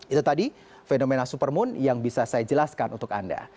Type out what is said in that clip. itu tadi fenomena supermoon yang bisa saya jelaskan untuk anda